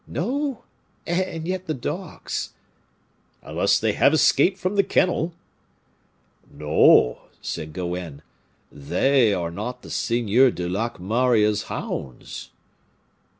No, and yet the dogs " "Unless they have escaped from the kennel." "No," said Goenne, "they are not the Seigneur de Locmaria's hounds."